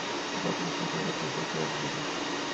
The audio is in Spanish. Cuatro agentes de policía quedaron heridos.